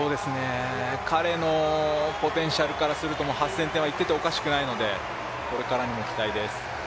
彼のポテンシャルからすると、もう８０００点はいっていてもおかしくないのでこれからにも期待です。